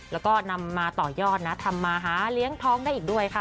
แล้วก็นำมาต่อยอดนะทำมาหาเลี้ยงท้องได้อีกด้วยค่ะ